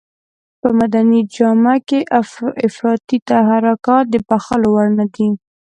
په مدني جامه کې افراطي تحرکات د بښلو وړ نه دي.